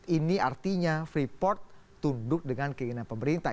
ini artinya freeport tunduk dengan keinginan pemerintah